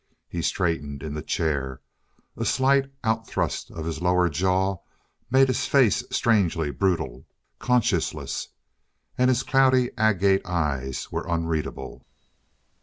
He straightened in the chair. A slight outthrust of his lower jaw made his face strangely brutal, conscienceless. And his cloudy agate eyes were unreadable.